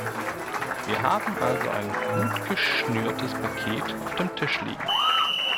Wir haben also ein gutgeschnürtes Paket auf dem Tisch liegen.